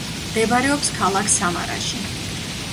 მდებარეობს ქალაქ სამარაში.